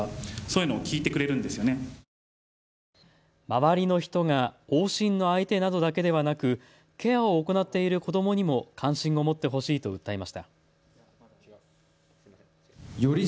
周りの人が往診の相手などだけではなくケアを行っている子どもにも関心を持ってほしいと訴えました。